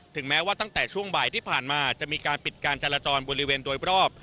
แม้ว่าตั้งแต่ช่วงบ่ายที่ผ่านมาจะมีการปิดการจราจรบริเวณโดยรอบ